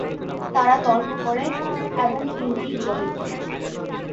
তারা তর্ক করে, এবং তিনটিই জলে পড়ে।